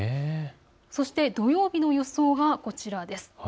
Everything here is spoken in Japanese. そして土曜日の予想はこちらです。